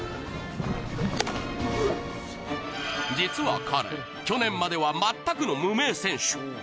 実は彼、去年までは全くの無名選手